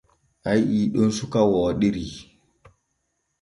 A yi’ii ɗon suka wooɗiri.